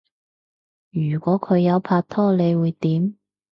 如果佢有拍拖你會點？